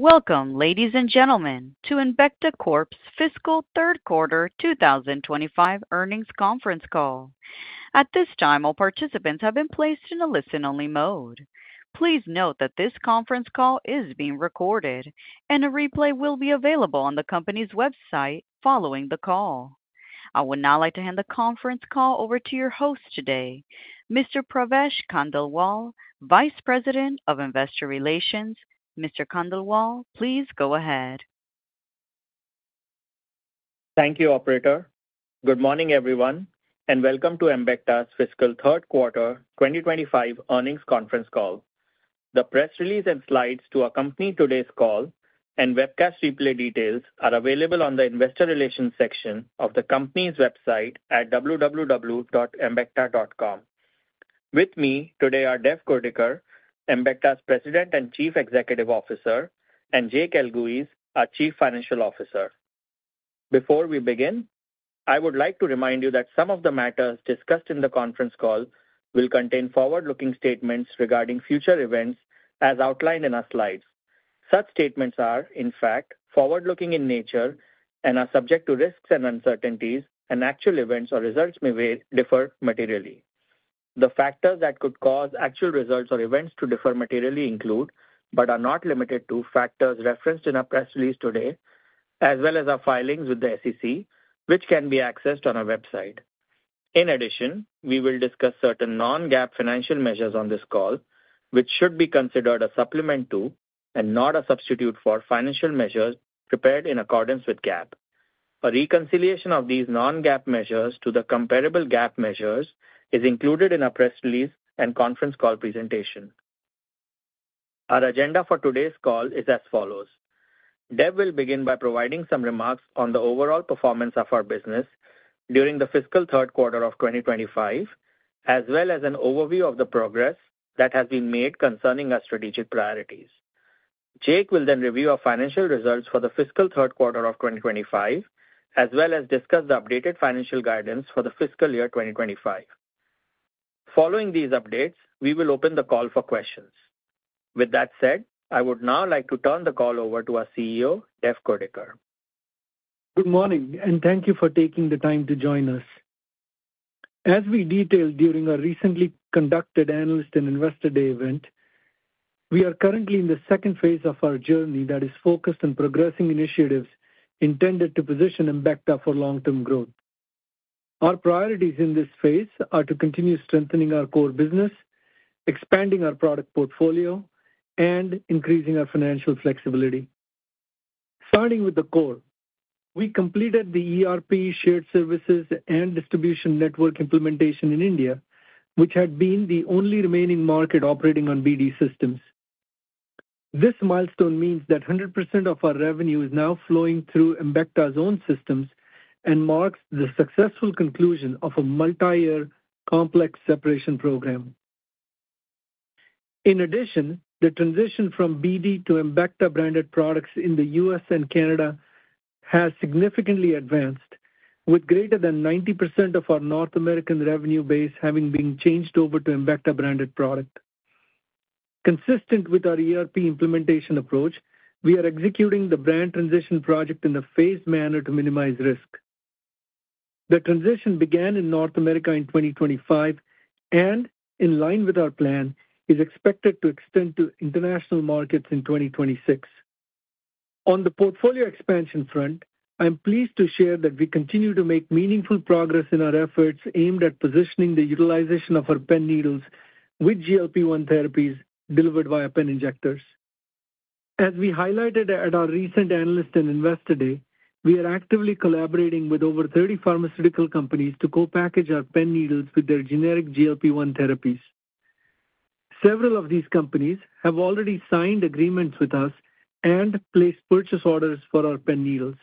Welcome, ladies and gentlemen, to Embecta Corp's Fiscal Third Quarter 2025 Earnings Conference Call. At this time, all participants have been placed in a listen-only mode. Please note that this conference call is being recorded, and a replay will be available on the company's website following the call. I would now like to hand the conference call over to your host today, Mr. Pravesh Khandelwal, Vice President of Investor Relations. Mr. Khandelwal, please go ahead. Thank you, Operator. Good morning, everyone, and welcome to Embecta's fiscal third quarter 2025 earnings conference call. The press release and slides to accompany today's call and webcast replay details are available on the Investor Relations section of the company's website at www.embecta.com. With me today are Dev Kurdikar, Embecta's President and Chief Executive Officer, and Jake Elguicze, our Chief Financial Officer. Before we begin, I would like to remind you that some of the matters discussed in the conference call will contain forward-looking statements regarding future events as outlined in our slides. Such statements are, in fact, forward-looking in nature and are subject to risks and uncertainties, and actual events or results may differ materially. The factors that could cause actual results or events to differ materially include but are not limited to factors referenced in our press release today, as well as our filings with the SEC, which can be accessed on our website. In addition, we will discuss certain non-GAAP financial measures on this call, which should be considered a supplement to and not a substitute for financial measures prepared in accordance with GAAP. A reconciliation of these non-GAAP measures to the comparable GAAP measures is included in our press release and conference call presentation. Our agenda for today's call is as follows: Dev will begin by providing some remarks on the overall performance of our business during the fiscal third quarter of 2025, as well as an overview of the progress that has been made concerning our strategic priorities. Jake will then review our financial results for the fiscal third quarter of 2025, as well as discuss the updated financial guidance for the fiscal year 2025. Following these updates, we will open the call for questions. With that said, I would now like to turn the call over to our CEO, Dev Kurdikar. Good morning, and thank you for taking the time to join us. As we detailed during our recently conducted Analyst and Investor Day event, we are currently in the second phase of our journey that is focused on progressing initiatives intended to position Embecta for long-term growth. Our priorities in this phase are to continue strengthening our core business, expanding our product portfolio, and increasing our financial flexibility. Starting with the core, we completed the ERP, shared services, and distribution network implementation in India, which had been the only remaining market operating on BD systems. This milestone means that 100% of our revenue is now flowing through Embecta's own systems and marks the successful conclusion of a multi-year complex separation program. In addition, the transition from BD to Embecta-branded products in the U.S. and Canada has significantly advanced, with greater than 90% of our North American revenue base having been changed over to Embecta-branded products. Consistent with our ERP implementation approach, we are executing the brand transition project in a phased manner to minimize risk. The transition began in North America in 2025, and in line with our plan, is expected to extend to international markets in 2026. On the portfolio expansion front, I'm pleased to share that we continue to make meaningful progress in our efforts aimed at positioning the utilization of our pen needles with GLP-1 therapies delivered via pen injectors. As we highlighted at our recent Analyst and Investor Day, we are actively collaborating with over 30 pharmaceutical companies to co-package our pen needles with their generic GLP-1 therapies. Several of these companies have already signed agreements with us and placed purchase orders for our pen needles.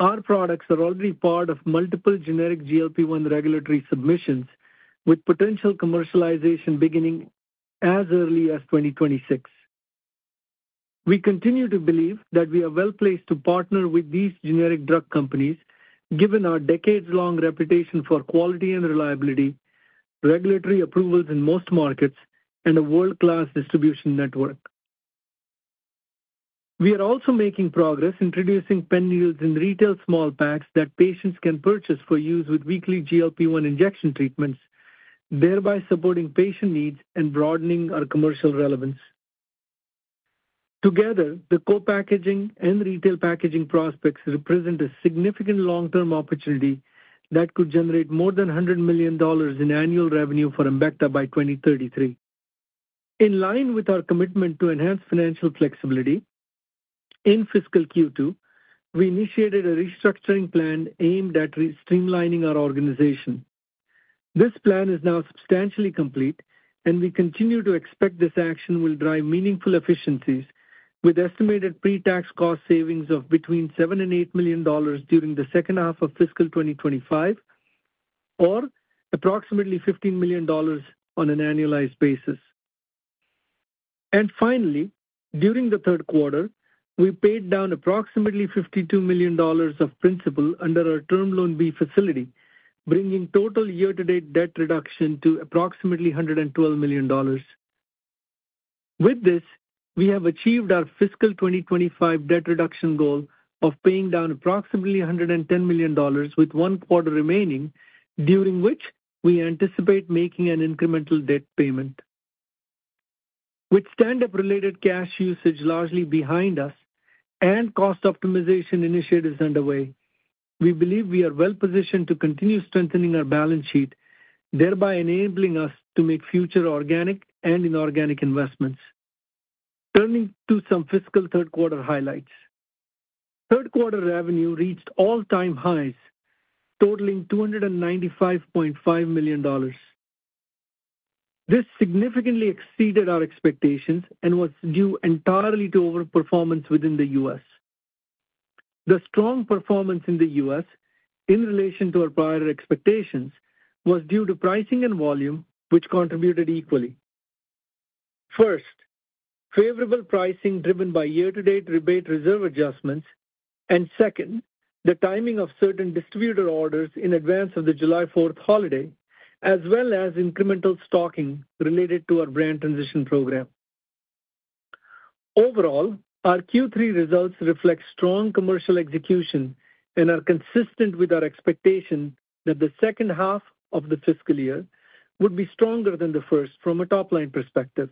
Our products are already part of multiple generic GLP-1 regulatory submissions, with potential commercialization beginning as early as 2026. We continue to believe that we are well placed to partner with these generic drug companies, given our decades-long reputation for quality and reliability, regulatory approvals in most markets, and a world-class distribution network. We are also making progress introducing pen needles in retail small packs that patients can purchase for use with weekly GLP-1 injection treatments, thereby supporting patient needs and broadening our commercial relevance. Together, the co-packaging and retail packaging prospects represent a significant long-term opportunity that could generate more than $100 million in annual revenue for Embecta by 2033. In line with our commitment to enhanced financial flexibility, in fiscal Q2, we initiated a restructuring plan aimed at streamlining our organization. This plan is now substantially complete, and we continue to expect this action will drive meaningful efficiencies, with estimated pre-tax cost savings of between $7 million and $8 million during the second half of fiscal 2025, or approximately $15 million on an annualized basis. Finally, during the third quarter, we paid down approximately $52 million of principal under our Term Loan B facility, bringing total year-to-date debt reduction to approximately $112 million. With this, we have achieved our fiscal 2025 debt reduction goal of paying down approximately $110 million, with one quarter remaining, during which we anticipate making an incremental debt payment. With stand-up-related cash usage largely behind us and cost optimization initiatives underway, we believe we are well positioned to continue strengthening our balance sheet, thereby enabling us to make future organic and inorganic investments. Turning to some fiscal third quarter highlights, third quarter revenue reached all-time highs, totaling $295.5 million. This significantly exceeded our expectations and was due entirely to overperformance within the U.S. The strong performance in the U.S., in relation to our prior expectations, was due to pricing and volume, which contributed equally. First, favorable pricing driven by year-to-date rebate reserve adjustments, and second, the timing of certain distributor orders in advance of the July 4th holiday, as well as incremental stocking related to our brand transition program. Overall, our Q3 results reflect strong commercial execution and are consistent with our expectation that the second half of the fiscal year would be stronger than the first from a top-line perspective.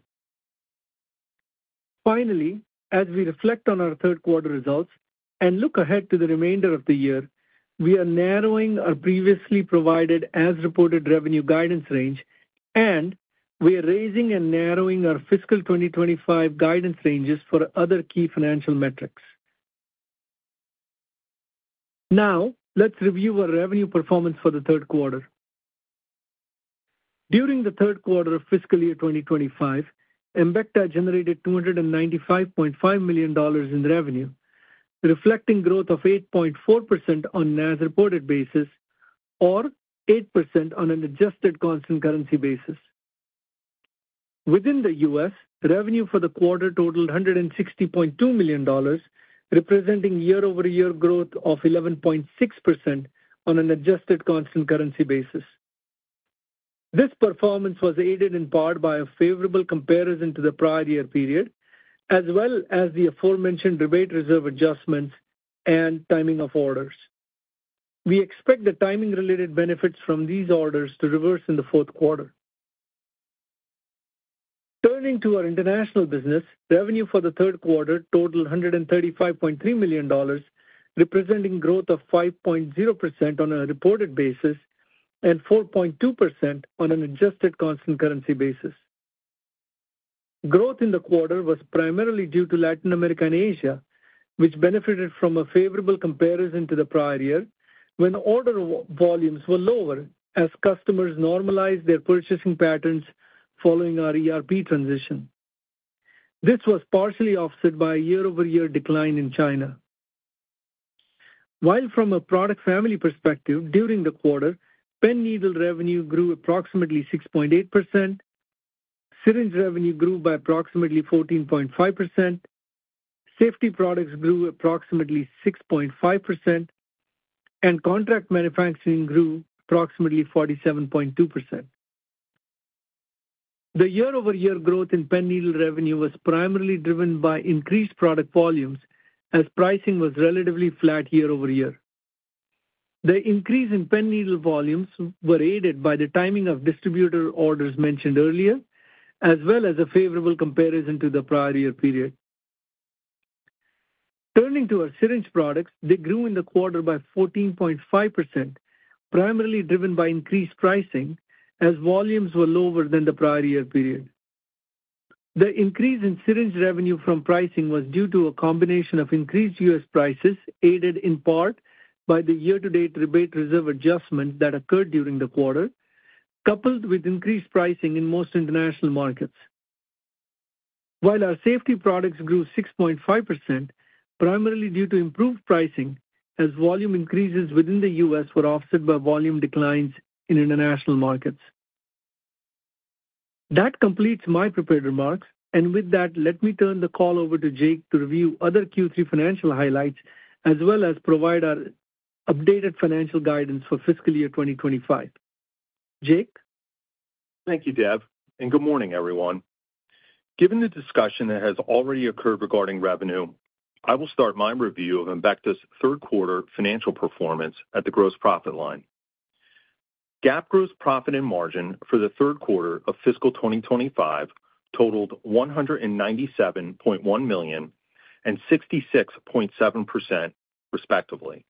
Finally, as we reflect on our third quarter results and look ahead to the remainder of the year, we are narrowing our previously provided as-reported revenue guidance range, and we are raising and narrowing our fiscal 2025 guidance ranges for other key financial metrics. Now, let's review our revenue performance for the third quarter. During the third quarter of fiscal year 2025, Embecta generated $295.5 million in revenue, reflecting growth of 8.4% on an as-reported basis or 8% on an adjusted constant currency basis. Within the U.S., revenue for the quarter totaled $160.2 million, representing year-over-year growth of 11.6% on an adjusted constant currency basis. This performance was aided in part by a favorable comparison to the prior year period, as well as the aforementioned rebate reserve adjustments and timing of orders. We expect the timing-related benefits from these orders to reverse in the fourth quarter. Turning to our international business, revenue for the third quarter totaled $135.3 million, representing growth of 5.0% on a reported basis and 4.2% on an adjusted constant currency basis. Growth in the quarter was primarily due to Latin America and Asia, which benefited from a favorable comparison to the prior year, when order volumes were lower as customers normalized their purchasing patterns following our ERP transition. This was partially offset by a year-over-year decline in China. While from a product family perspective, during the quarter, pen needle revenue grew approximately 6.8%, syringe revenue grew by approximately 14.5%, safety products grew approximately 6.5%, and contract manufacturing grew approximately 47.2%. The year-over-year growth in pen needle revenue was primarily driven by increased product volumes as pricing was relatively flat year-over-year. The increase in pen needle volumes was aided by the timing of distributor orders mentioned earlier, as well as a favorable comparison to the prior year period. Turning to our syringe products, they grew in the quarter by 14.5%, primarily driven by increased pricing as volumes were lower than the prior year period. The increase in syringe revenue from pricing was due to a combination of increased U.S. prices, aided in part by the year-to-date rebate reserve adjustment that occurred during the quarter, coupled with increased pricing in most international markets. While our safety products grew 6.5%, primarily due to improved pricing as volume increases within the U.S. were offset by volume declines in international markets. That completes my prepared remarks, and with that, let me turn the call over to Jake to review other Q3 financial highlights, as well as provide our updated financial guidance for fiscal year 2025. Jake? Thank you, Dev, and good morning, everyone. Given the discussion that has already occurred regarding revenue, I will start my review of Embecta's third quarter financial performance at the gross profit line. GAAP gross profit and margin for the third quarter of fiscal 2025 totaled $197.1 million and 66.7%, respectively.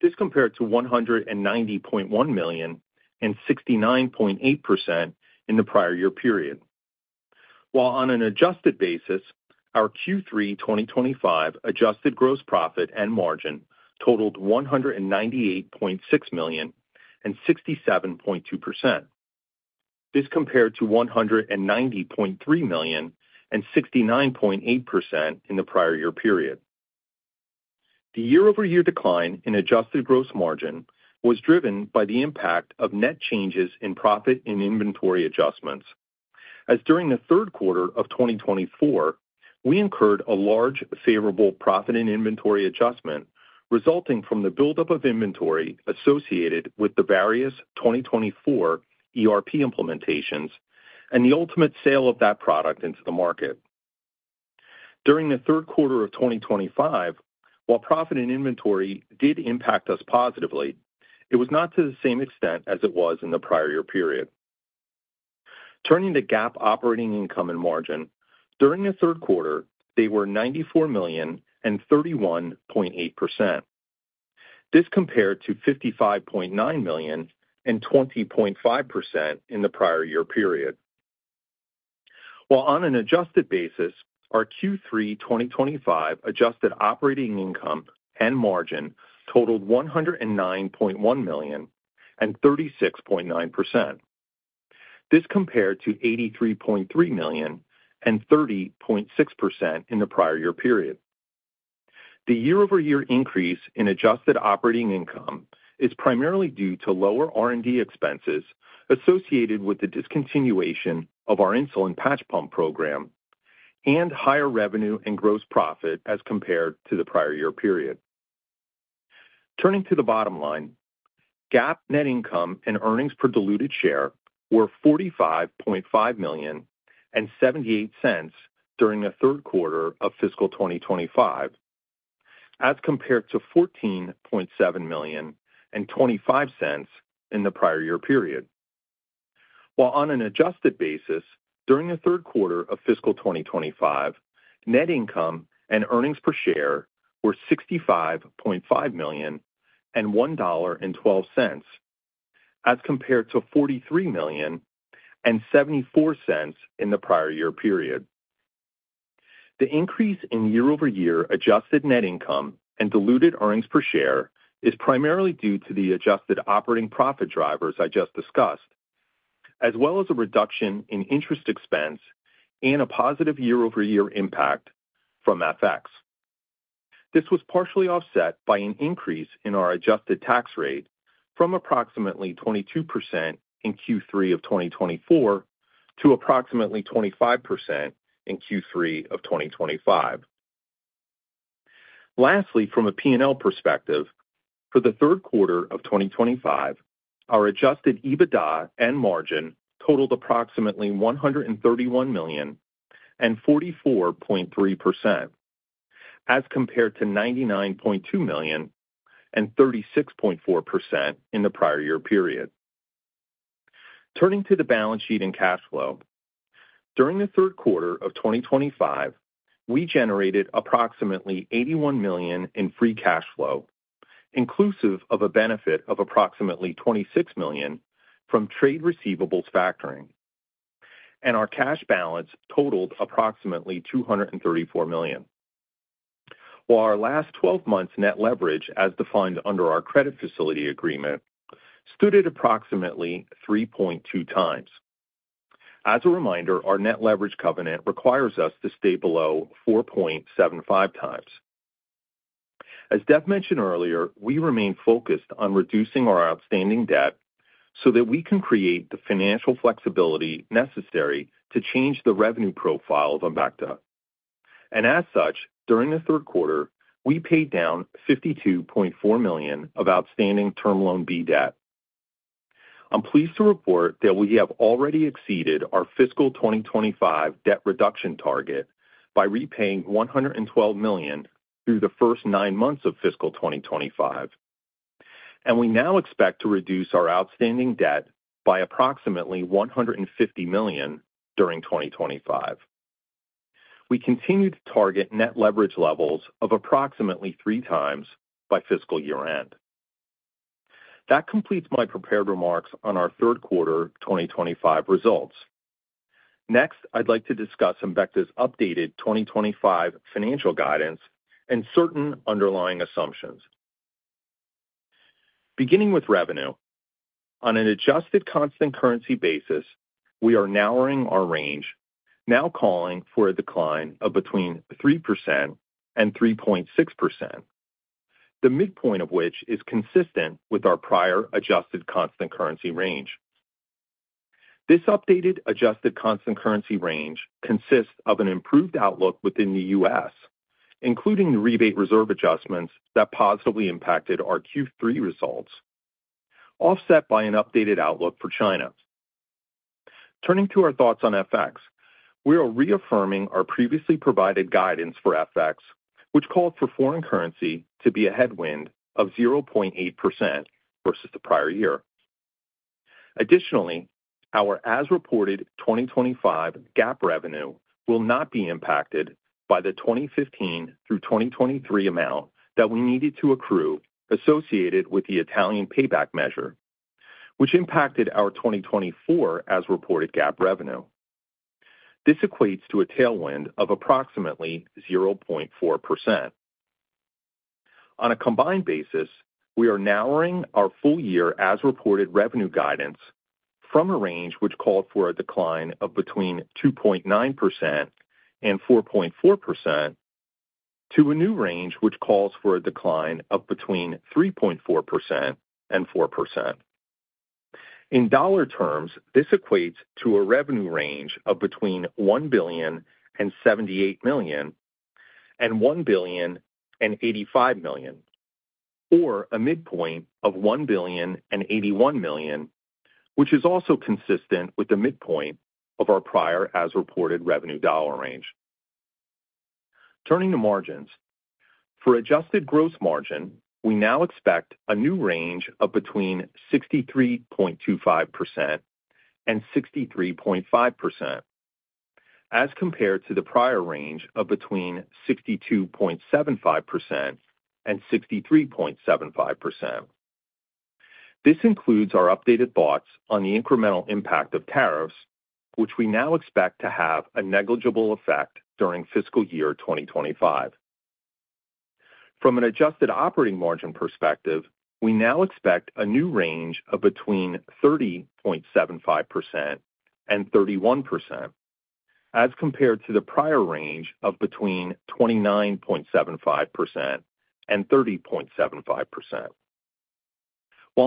This compared to $190.1 million and 69.8% in the prior year period. While on an adjusted basis, our Q3 2025 adjusted gross profit and margin totaled $198.6 million and 67.2%. This compared to $190.3 million and 69.8% in the prior year period. The year-over-year decline in adjusted gross margin was driven by the impact of net changes in profit and inventory adjustments, as during the third quarter of 2024, we incurred a large favorable profit and inventory adjustment resulting from the buildup of inventory associated with the various 2024 ERP implementations and the ultimate sale of that product into the market. During the third quarter of 2025, while profit and inventory did impact us positively, it was not to the same extent as it was in the prior year period. Turning to GAAP operating income and margin, during the third quarter, they were $94 million and 31.8%. This compared to $55.9 million and 20.5% in the prior year period. While on an adjusted basis, our Q3 2025 adjusted operating income and margin totaled $109.1 million and 36.9%. This compared to $83.3 million and 30.6% in the prior year period. The year-over-year increase in adjusted operating income is primarily due to lower R&D expenses associated with the discontinuation of our insulin patch pump program and higher revenue and gross profit as compared to the prior year period. Turning to the bottom line, GAAP net income and earnings per diluted share were $45.5 million and $0.78 during the third quarter of fiscal 2025, as compared to $14.7 million and $0.25 in the prior year period. While on an adjusted basis, during the third quarter of fiscal 2025, net income and earnings per share were $65.5 million and $1.12, as compared to $43 million and $0.74 in the prior year period. The increase in year-over-year adjusted net income and diluted earnings per share is primarily due to the adjusted operating profit drivers I just discussed, as well as a reduction in interest expense and a positive year-over-year impact from FX. This was partially offset by an increase in our adjusted tax rate from approximately 22% in Q3 of 2024 to approximately 25% in Q3 of 2025. Lastly, from a P&L perspective, for the third quarter of 2025, our adjusted EBITDA and margin totaled approximately $131 million and 44.3%, as compared to $99.2 million and 36.4% in the prior year period. Turning to the balance sheet and cash flow, during the third quarter of 2025, we generated approximately $81 million in free cash flow, inclusive of a benefit of approximately $26 million from trade receivables factoring, and our cash balance totaled approximately $234 million. While our last 12 months' net leverage, as defined under our credit facility agreement, stood at approximately 3.2x, as a reminder, our net leverage covenant requires us to stay below 4.75x. As Dev mentioned earlier, we remain focused on reducing our outstanding debt so that we can create the financial flexibility necessary to change the revenue profile of Embecta. During the third quarter, we paid down $52.4 million of outstanding Term Loan B debt. I'm pleased to report that we have already exceeded our fiscal 2025 debt reduction target by repaying $112 million through the first nine months of fiscal 2025, and we now expect to reduce our outstanding debt by approximately $150 million during 2025. We continue to target net leverage levels of approximately three times by fiscal year end. That completes my prepared remarks on our third quarter 2025 results. Next, I'd like to discuss Embecta's updated 2025 financial guidance and certain underlying assumptions. Beginning with revenue, on an adjusted constant currency basis, we are narrowing our range, now calling for a decline of between 3% and 3.6%, the midpoint of which is consistent with our prior adjusted constant currency range. This updated adjusted constant currency range consists of an improved outlook within the U.S., including the rebate reserve adjustments that positively impacted our Q3 results, offset by an updated outlook for China. Turning to our thoughts on FX, we are reaffirming our previously provided guidance for FX, which called for foreign currency to be a headwind of 0.8% versus the prior year. Additionally, our as-reported 2025 GAAP revenue will not be impacted by the 2015 through 2023 amount that we needed to accrue associated with the Italian payback measure, which impacted our 2024 as-reported GAAP revenue. This equates to a tailwind of approximately 0.4%. On a combined basis, we are narrowing our full-year as-reported revenue guidance from a range which called for a decline of between 2.9% and 4.4% to a new range which calls for a decline of between 3.4% and 4%. In dollar terms, this equates to a revenue range of between $1.078 billion and $1,085 billion, or a midpoint of $1,081 billion, which is also consistent with the midpoint of our prior as-reported revenue dollar range. Turning to margins, for adjusted gross margin, we now expect a new range of between 63.25% and 63.5%, as compared to the prior range of between 62.75% and 63.75%. This includes our updated thoughts on the incremental impact of tariffs, which we now expect to have a negligible effect during fiscal year 2025. From an adjusted operating margin perspective, we now expect a new range of between 30.75% and 31%, as compared to the prior range of between 29.75% and 30.75%.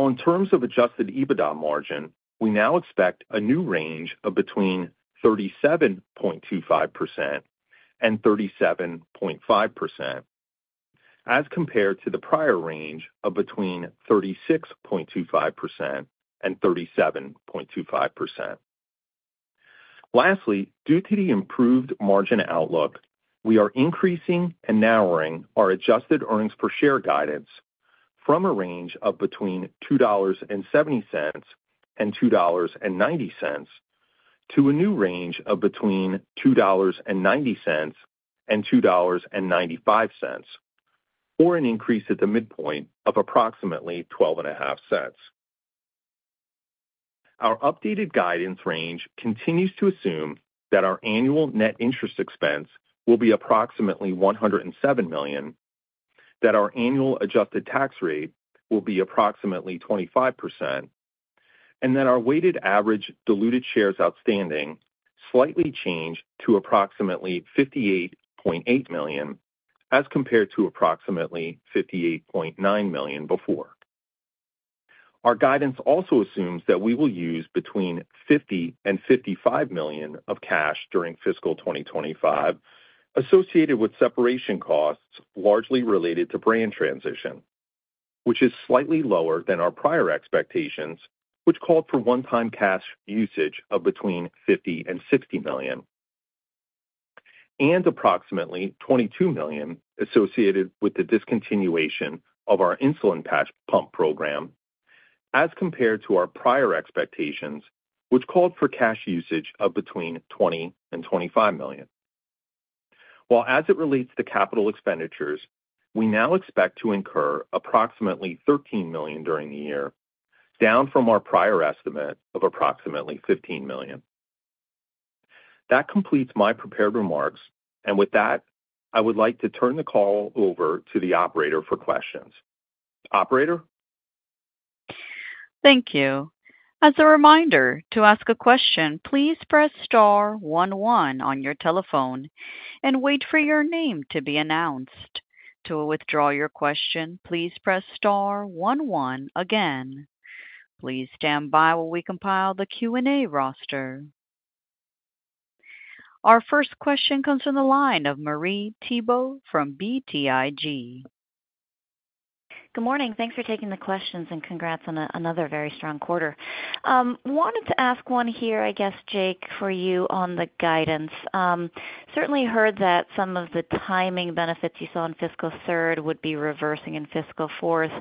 In terms of adjusted EBITDA margin, we now expect a new range of between 37.25% and 37.5%, as compared to the prior range of between 36.25% and 37.25%. Lastly, due to the improved margin outlook, we are increasing and narrowing our adjusted earnings per share guidance from a range of between $2.70 and $2.90 to a new range of between $2.90 and $2.95, or an increase at the midpoint of approximately $0.12.5. Our updated guidance range continues to assume that our annual net interest expense will be approximately $107 million, that our annual adjusted tax rate will be approximately 25%, and that our weighted average diluted shares outstanding slightly changed to approximately 58.8 million as compared to approximately 58.9 million before. Our guidance also assumes that we will use between $50 million and $55 million of cash during fiscal 2025, associated with separation costs largely related to brand transition, which is slightly lower than our prior expectations, which called for one-time cash usage of between $50 million and $60 million, and approximately $22 million associated with the discontinuation of our insulin patch pump program, as compared to our prior expectations, which called for cash usage of between $20 million and $25 million. As it relates to capital expenditures, we now expect to incur approximately $13 million during the year, down from our prior estimate of approximately $15 million. That completes my prepared remarks, and with that, I would like to turn the call over to the operator for questions. Operator? Thank you. As a reminder, to ask a question, please press star one one on your telephone and wait for your name to be announced. To withdraw your question, please press star one one again. Please stand by while we compile the Q&A roster. Our first question comes from the line of Marie Thibault from BTIG. Good morning. Thanks for taking the questions and congrats on another very strong quarter. Wanted to ask one here, I guess, Jake, for you on the guidance. Certainly heard that some of the timing benefits you saw in fiscal third would be reversing in fiscal fourth,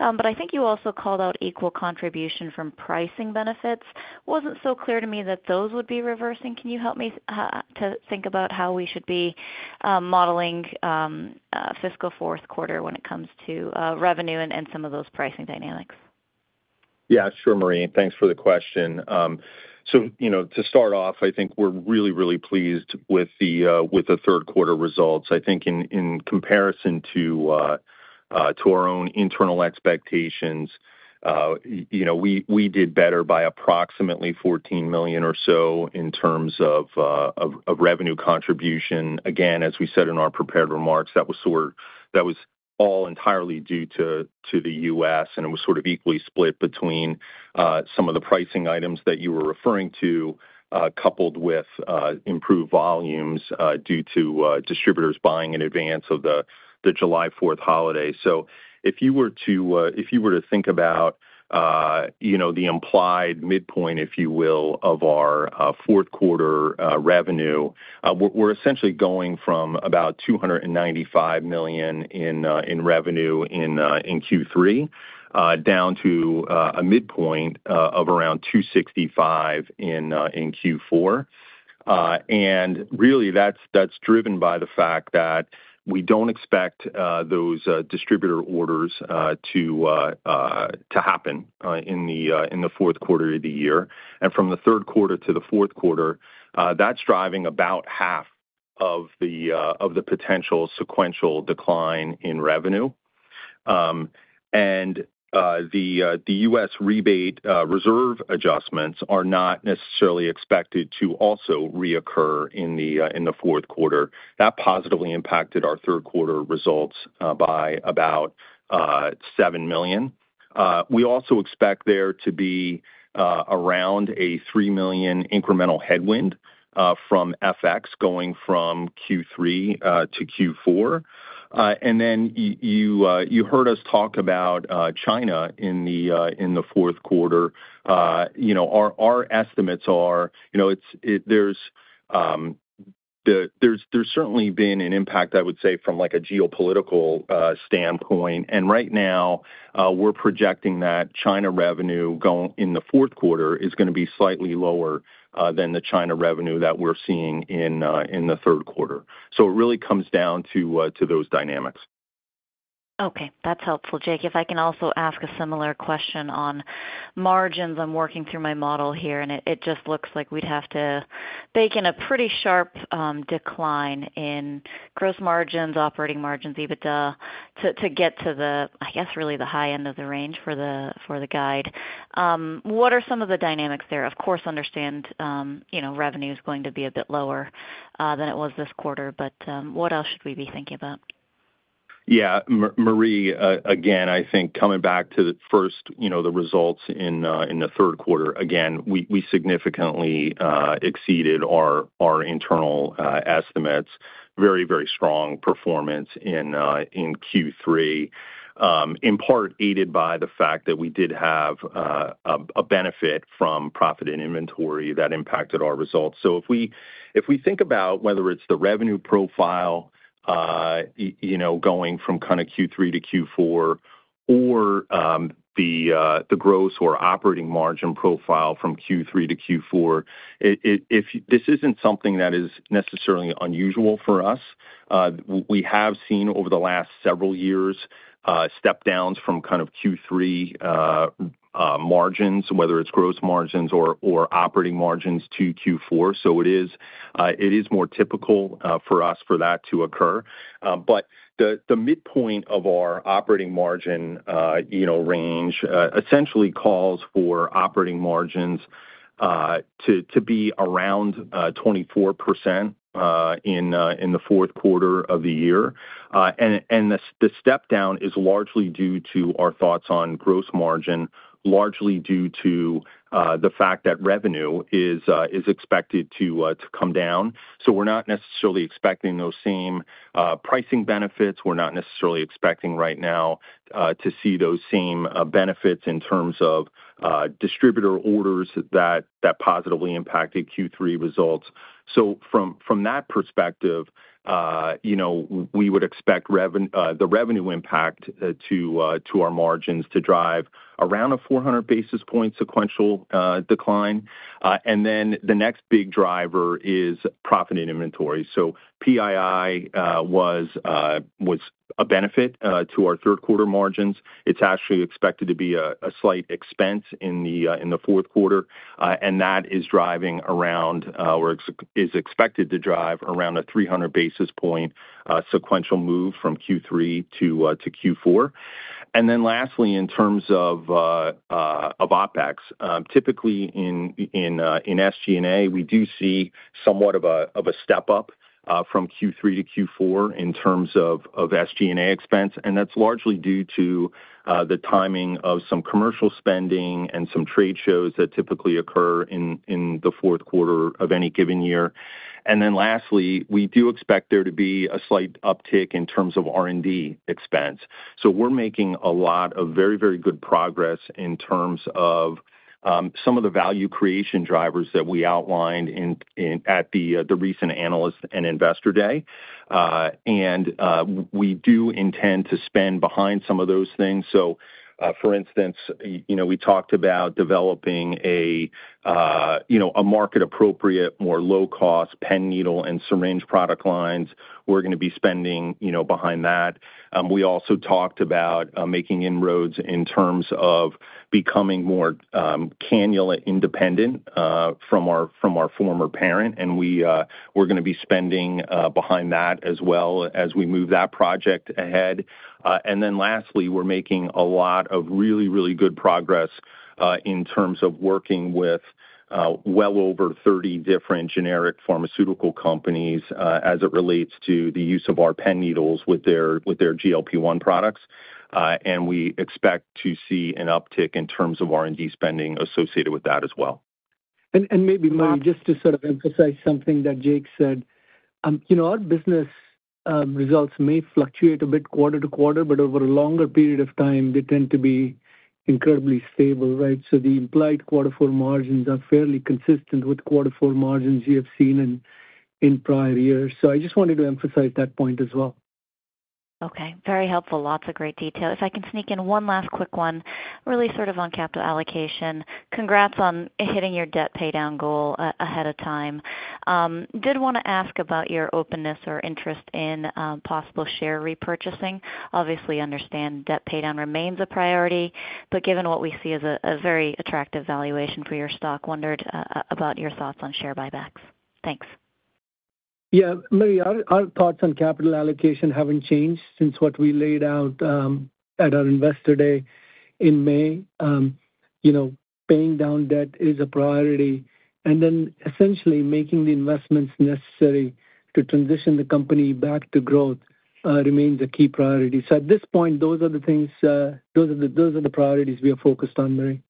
but I think you also called out equal contribution from pricing benefits. Wasn't so clear to me that those would be reversing. Can you help me to think about how we should be modeling fiscal fourth quarter when it comes to revenue and some of those pricing dynamics? Yeah, sure Marie. Thanks for the question. To start off, I think we're really, really pleased with the third quarter results. I think in comparison to our own internal expectations, we did better by approximately $14 million or so in terms of revenue contribution. As we said in our prepared remarks, that was all entirely due to the U.S., and it was sort of equally split between some of the pricing items that you were referring to, coupled with improved volumes due to distributors buying in advance of the July 4th holiday. If you were to think about the implied midpoint, if you will, of our fourth quarter revenue, we're essentially going from about $295 million in revenue in Q3 down to a midpoint of around $265 million in Q4. That's driven by the fact that we don't expect those distributor orders to happen in the fourth quarter of the year. From the third quarter to the fourth quarter, that's driving about half of the potential sequential decline in revenue. The U.S. rebate reserve adjustments are not necessarily expected to also reoccur in the fourth quarter. That positively impacted our third quarter results by about $7 million. We also expect there to be around a $3 million incremental headwind from FX going from Q3 to Q4. You heard us talk about China in the fourth quarter. Our estimates are, there's certainly been an impact, I would say, from a geopolitical standpoint. Right now, we're projecting that China revenue in the fourth quarter is going to be slightly lower than the China revenue that we're seeing in the third quarter. It really comes down to those dynamics. Okay, that's helpful. Jake, if I can also ask a similar question on margins, I'm working through my model here, and it just looks like we'd have to bake in a pretty sharp decline in gross margins, operating margins, EBITDA to get to the, I guess, really the high end of the range for the guide. What are some of the dynamics there? Of course, understand, you know, revenue is going to be a bit lower than it was this quarter, but what else should we be thinking about? Yeah, Marie, again, I think coming back to the first, you know, the results in the third quarter, we significantly exceeded our internal estimates. Very, very strong performance in Q3, in part aided by the fact that we did have a benefit from profit and inventory that impacted our results. If we think about whether it's the revenue profile, you know, going from kind of Q3 to Q4 or the gross or operating margin profile from Q3 to Q4, this isn't something that is necessarily unusual for us. We have seen over the last several years step downs from kind of Q3 margins, whether it's gross margins or operating margins to Q4. It is more typical for us for that to occur. The midpoint of our operating margin, you know, range essentially calls for operating margins to be around 24% in the fourth quarter of the year. The step down is largely due to our thoughts on gross margin, largely due to the fact that revenue is expected to come down. We're not necessarily expecting those same pricing benefits. We're not necessarily expecting right now to see those same benefits in terms of distributor orders that positively impacted Q3 results. From that perspective, we would expect the revenue impact to our margins to drive around a 400 basis point sequential decline. The next big driver is profit and inventory. PII was a benefit to our third quarter margins. It's actually expected to be a slight expense in the fourth quarter. That is driving around, or is expected to drive around, a 300 basis point sequential move from Q3 to Q4. In terms of OpEx, typically in SG&A, we do see somewhat of a step up from Q3 to Q4 in terms of SG&A expense. That's largely due to the timing of some commercial spending and some trade shows that typically occur in the fourth quarter of any given year. We do expect there to be a slight uptick in terms of R&D expense. We're making a lot of very, very good progress in terms of some of the value creation drivers that we outlined at the recent Analyst and Investor Day. We do intend to spend behind some of those things. For instance, you know, we talked about developing a, you know, a market-appropriate, more low-cost pen needle and syringe product lines. We're going to be spending, you know, behind that. We also talked about making inroads in terms of becoming more cannula independent from our former parent. We are going to be spending behind that as well as we move that project ahead. Lastly, we're making a lot of really, really good progress in terms of working with well over 30 different generic pharmaceutical companies as it relates to the use of our pen needles with their GLP-1 products. We expect to see an uptick in terms of R&D spending associated with that as well. Marie, just to sort of emphasize something that Jake said, our business results may fluctuate a bit quarter-to-quarter, but over a longer period of time, they tend to be incredibly stable, right? The implied quarter four margins are fairly consistent with quarter four margins you have seen in prior years. I just wanted to emphasize that point as well. Okay, very helpful. Lots of great detail. If I can sneak in one last quick one, really sort of on capital allocation, congrats on hitting your debt paydown goal ahead of time. Did want to ask about your openness or interest in possible share repurchasing. Obviously, understand debt paydown remains a priority, but given what we see as a very attractive valuation for your stock, wondered about your thoughts on share buybacks. Thanks. Marie, our thoughts on capital allocation haven't changed since what we laid out at our Investor Day in May. Paying down debt is a priority, and essentially making the investments necessary to transition the company back to growth remains a key priority. At this point, those are the things, those are the priorities we are focused on, Marie.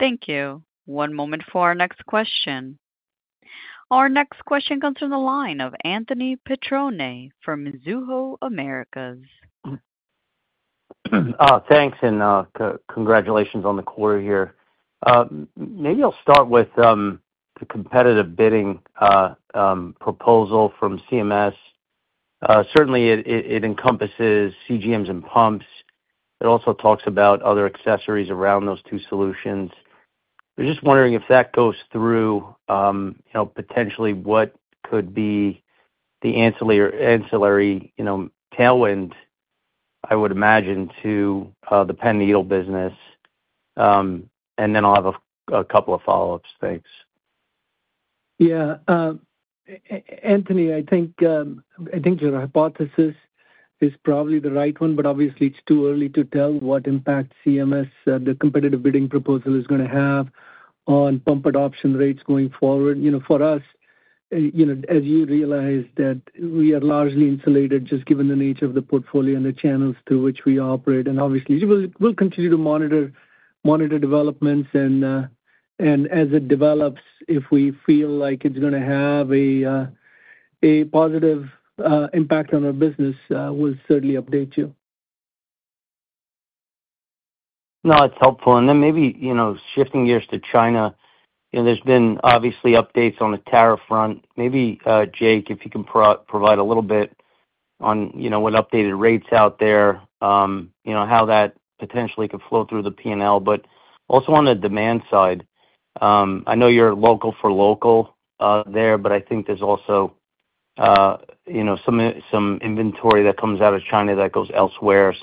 Thank you. One moment for our next question. Our next question comes from the line of Anthony Petrone from MiZoho Americas. Thanks, and congratulations on the quarter here. Maybe I'll start with the competitive bidding proposal from CMS. Certainly, it encompasses CGMs and pumps. It also talks about other accessories around those two solutions. I was just wondering if that goes through, potentially what could be the ancillary tailwind, I would imagine, to the pen needle business. Then I'll have a couple of follow-ups. Thanks. Yeah, Anthony, I think your hypothesis is probably the right one, but obviously, it's too early to tell what impact CMS, the competitive bidding proposal, is going to have on pump adoption rates going forward. For us, as you realize, we are largely insulated just given the nature of the portfolio and the channels through which we operate. We will continue to monitor developments. As it develops, if we feel like it's going to have a positive impact on our business, we'll certainly update you. No, it's helpful. Maybe, shifting gears to China, there's been obviously updates on the tariff front. Maybe, Jake, if you can provide a little bit on what updated rates are out there, how that potentially could flow through the P&L. Also, on the demand side, I know you're local for local there, but I think there's also some inventory that comes out of China that goes elsewhere.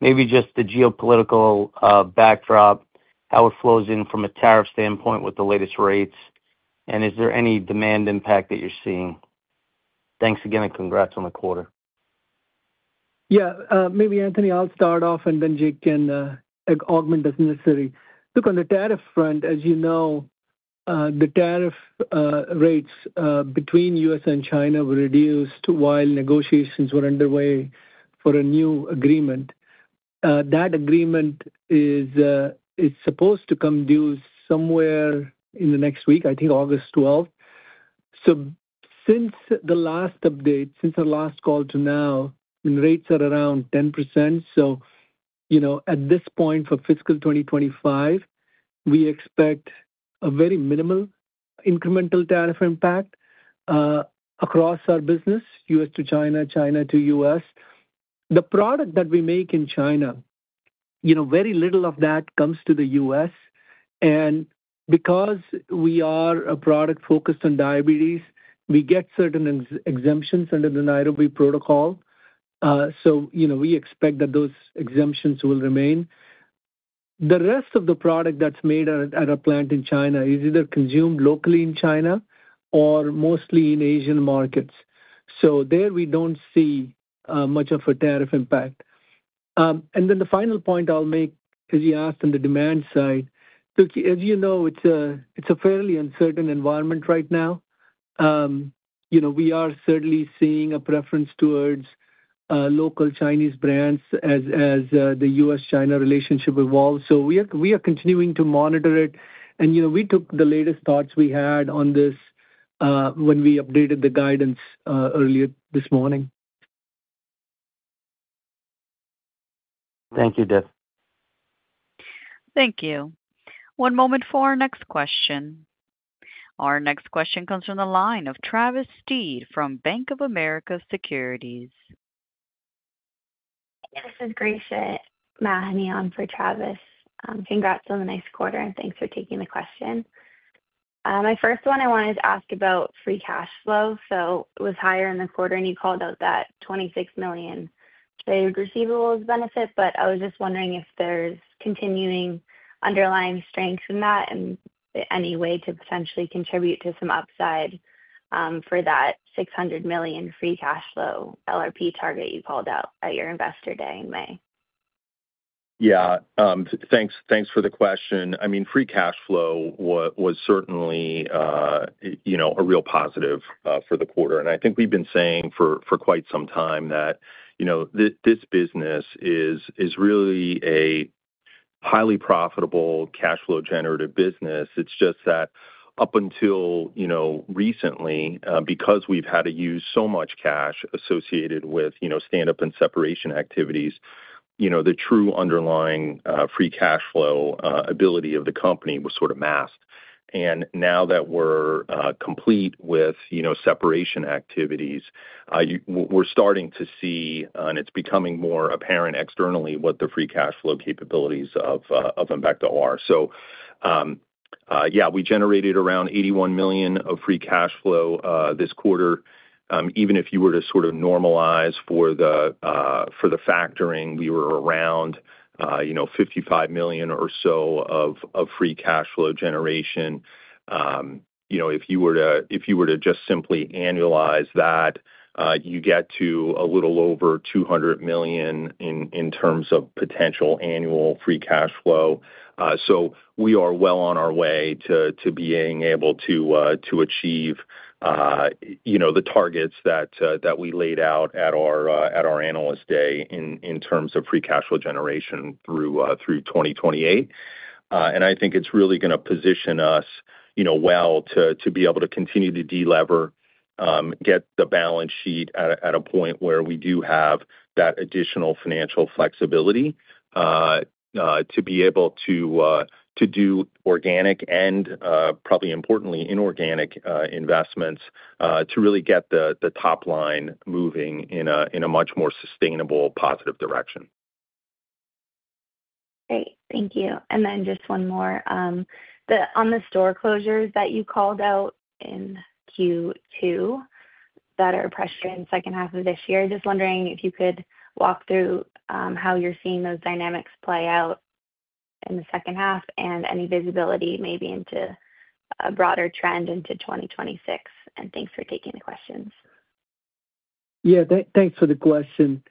Maybe just the geopolitical backdrop, how it flows in from a tariff standpoint with the latest rates, and is there any demand impact that you're seeing. Thanks again, and congrats on the quarter. Yeah, maybe Anthony, I'll start off and then Jake can augment as necessary. Look, on the tariff front, as you know, the tariff rates between the U.S. and China were reduced while negotiations were underway for a new agreement. That agreement is supposed to come due somewhere in the next week, I think August 12th. Since the last update, since our last call to now, rates are around 10%. At this point for fiscal 2025, we expect a very minimal incremental tariff impact across our business, U.S. to China, China to U.S. The product that we make in China, very little of that comes to the U.S. Because we are a product focused on diabetes, we get certain exemptions under the Nairobi Protocol. We expect that those exemptions will remain. The rest of the product that's made at our plant in China is either consumed locally in China or mostly in Asian markets. There we don't see much of a tariff impact. The final point I'll make, as you asked on the demand side, as you know, it's a fairly uncertain environment right now. We are certainly seeing a preference towards local Chinese brands as the U.S.-China relationship evolves. We are continuing to monitor it, and we took the latest thoughts we had on this when we updated the guidance earlier this morning. Thank you, Dev. Thank you. One moment for our next question. Our next question comes from the line of Travis Steed from Bank of America Securities. This is Gracia Mahoney, on for Travis. Congrats on the next quarter and thanks for taking the question. My first one, I wanted to ask about free cash flow. It was higher in the quarter, and you called out that $26 million saved receivables benefit. I was just wondering if there's continuing underlying strength in that and any way to potentially contribute to some upside for that $600 million free cash flow LRP target you called out at your Investor Day in May. Yeah, thanks for the question. Free cash flow was certainly a real positive for the quarter. I think we've been saying for quite some time that this business is really a highly profitable cash flow generative business. It's just that up until recently, because we've had to use so much cash associated with standup and separation activities, the true underlying free cash flow ability of the company was sort of masked. Now that we're complete with separation activities, we're starting to see, and it's becoming more apparent externally, what the free cash flow capabilities of Embecta are. We generated around $81 million of free cash flow this quarter. Even if you were to sort of normalize for the factoring, we were around $55 million or so of free cash flow generation. If you were to just simply annualize that, you get to a little over $200 million in terms of potential annual free cash flow. We are well on our way to being able to achieve the targets that we laid out at our Analyst Day in terms of free cash flow generation through 2028. I think it's really going to position us well to be able to continue to de-lever, get the balance sheet at a point where we do have that additional financial flexibility to be able to do organic and probably importantly inorganic investments to really get the top line moving in a much more sustainable positive direction. Great, thank you. Just one more. On the store closures that you called out in Q2 that are pressure in the second half of this year, just wondering if you could walk through how you're seeing those dynamics play out in the second half and any visibility maybe into a broader trend into 2026. Thanks for taking the questions. Yeah, thanks for the question.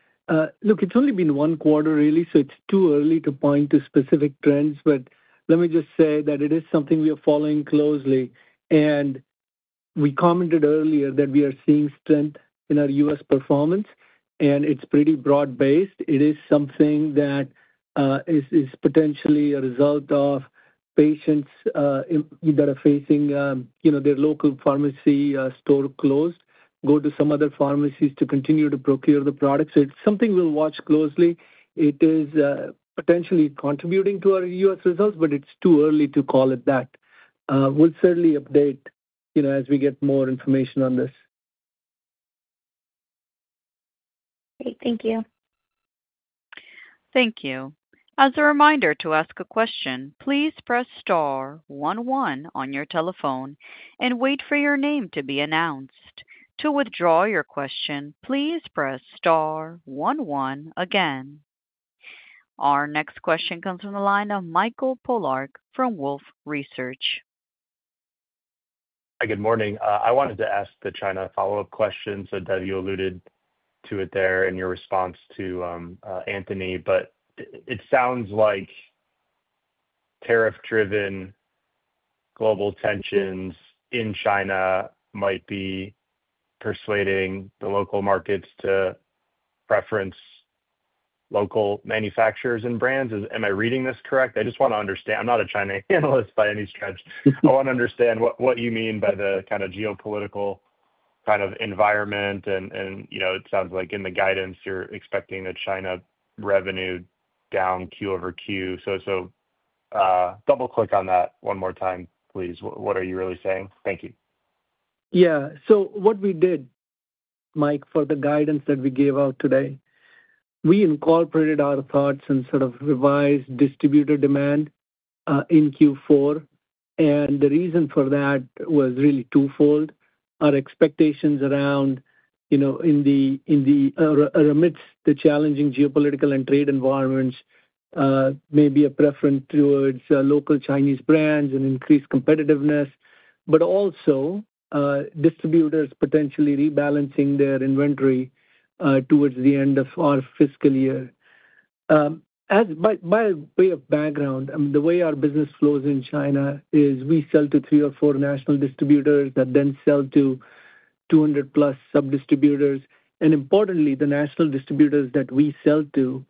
Look, it's only been one quarter really, so it's too early to point to specific trends, but let me just say that it is something we are following closely. We commented earlier that we are seeing strength in our U.S. performance, and it's pretty broad-based. It is something that is potentially a result of patients that are facing, you know, their local pharmacy store closed, go to some other pharmacies to continue to procure the product. It's something we'll watch closely. It is potentially contributing to our U.S. results, but it's too early to call it that. We'll certainly update, you know, as we get more information on this. Great, thank you. Thank you. As a reminder to ask a question, please press star one one on your telephone and wait for your name to be announced. To withdraw your question, please press star one one again. Our next question comes from the line of Mike Polark from Wolfe Research. Good morning. I wanted to ask the China follow-up question. Dev, you alluded to it there in your response to Anthony, but it sounds like tariff-driven global tensions in China might be persuading the local markets to preference local manufacturers and brands. Am I reading this correct? I just want to understand. I'm not a China analyst by any stretch. I want to understand what you mean by the kind of geopolitical kind of environment. It sounds like in the guidance you're expecting the China revenue down Q-over-Q. Double click on that one more time, please. What are you really saying? Thank you. Yeah, so what we did, Mike, for the guidance that we gave out today, we incorporated our thoughts and sort of revised distributor demand in Q4. The reason for that was really twofold. Our expectations around, you know, in the, in the, or amidst the challenging geopolitical and trade environments, maybe a preference towards local Chinese brands and increased competitiveness, but also distributors potentially rebalancing their inventory towards the end of our fiscal year. By way of background, the way our business flows in China is we sell to three or four national distributors that then sell to 200+ sub-distributors. Importantly, the national distributors that we sell to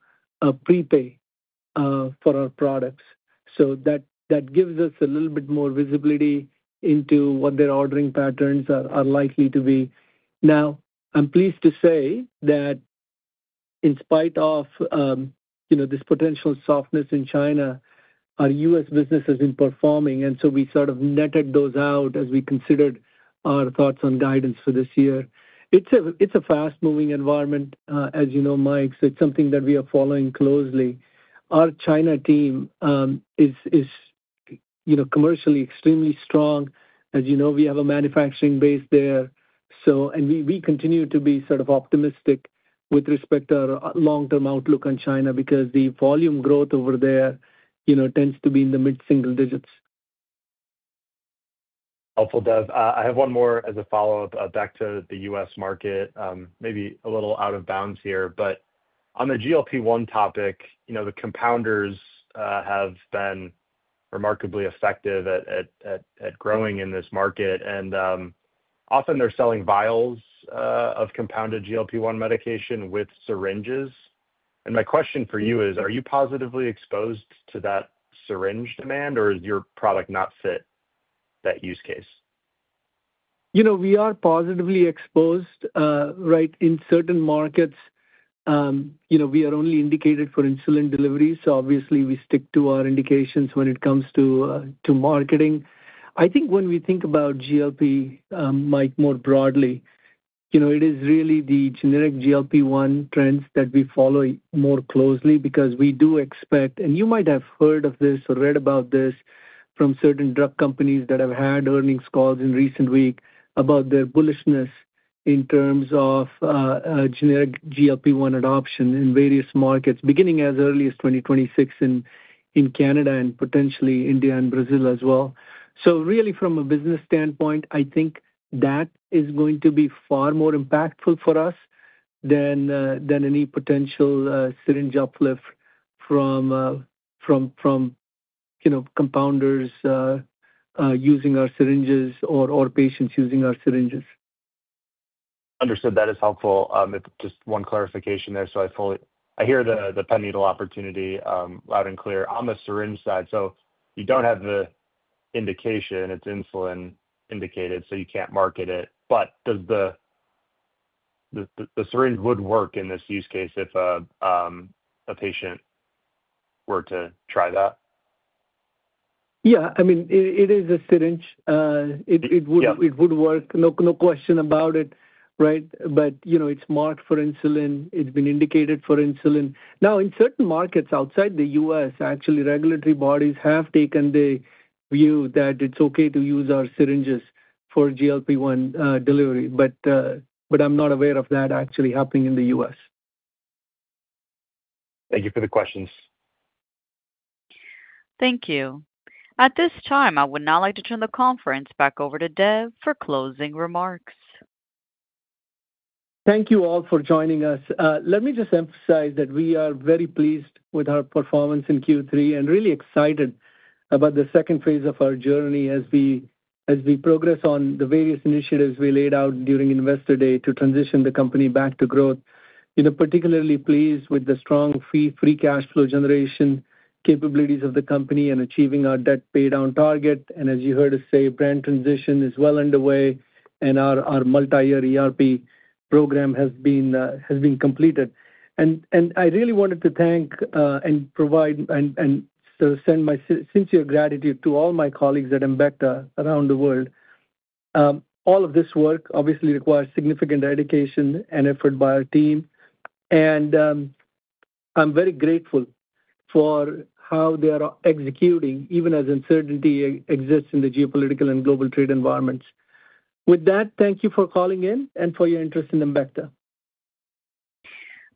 prepay for our products. That gives us a little bit more visibility into what their ordering patterns are likely to be. Now, I'm pleased to say that in spite of, you know, this potential softness in China, our U.S. business has been performing. We sort of netted those out as we considered our thoughts on guidance for this year. It's a fast-moving environment, as you know, Mike. It's something that we are following closely. Our China team is, you know, commercially extremely strong. As you know, we have a manufacturing base there. We continue to be sort of optimistic with respect to our long-term outlook on China because the volume growth over there, you know, tends to be in the mid-single digits. Helpful, Dev. I have one more as a follow-up back to the U.S. market. Maybe a little out of bounds here, but on the GLP-1 topic, you know, the compounders have been remarkably effective at growing in this market. Often they're selling vials of compounded GLP-1 medication with syringes. My question for you is, are you positively exposed to that syringe demand or is your product not fit that use case? You know, we are positively exposed, right? In certain markets, we are only indicated for insulin delivery. Obviously, we stick to our indications when it comes to marketing. I think when we think about GLP-1, Mike, more broadly, it is really the generic GLP-1 trends that we follow more closely because we do expect, and you might have heard of this or read about this from certain drug companies that have had earnings calls in recent weeks about their bullishness in terms of generic GLP-1 adoption in various markets, beginning as early as 2026 in Canada and potentially India and Brazil as well. From a business standpoint, I think that is going to be far more impactful for us than any potential syringe uplift from compounders using our syringes or patients using our syringes. Understood. That is helpful. Just one clarification there. I hear the pen needle opportunity loud and clear on the syringe side. You don't have the indication, it's insulin indicated, so you can't market it. Does the syringe work in this use case if a patient were to try that? Yeah, I mean, it is a syringe. It would work. No question about it, right? You know, it's marked for insulin. It's been indicated for insulin. In certain markets outside the U.S., actually, regulatory bodies have taken the view that it's okay to use our syringes for GLP-1 delivery. I'm not aware of that actually happening in the U.S. Thank you. At this time, I would now like to turn the conference back over to Dev for closing remarks. Thank you all for joining us. Let me just emphasize that we are very pleased with our performance in Q3 and really excited about the second phase of our journey as we progress on the various initiatives we laid out during Investor Day to transition the company back to growth. Particularly pleased with the strong free cash flow generation capabilities of the company and achieving our debt paydown target. As you heard us say, brand transition is well underway and our multi-year ERP program has been completed. I really wanted to thank and sort of send my sincere gratitude to all my colleagues at Embecta around the world. All of this work obviously requires significant dedication and effort by our team. I'm very grateful for how they are executing, even as uncertainty exists in the geopolitical and global trade environments. With that, thank you for calling in and for your interest in Embecta.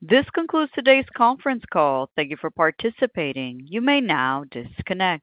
This concludes today's conference call. Thank you for participating. You may now disconnect.